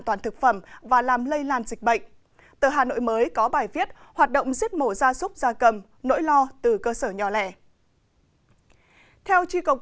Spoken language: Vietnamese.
từ hà nội mới có bài viết hoạt động giết mổ ra súc ra cầm nỗi lo từ cơ sở nhỏ lẻ